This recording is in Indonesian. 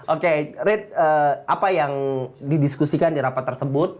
oke red apa yang didiskusikan di rapat tersebut